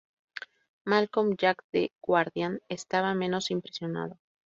Malcolm Jack de "The Guardian", estaba menos impresionado.